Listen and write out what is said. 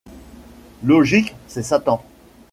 Logique, c'est Satan...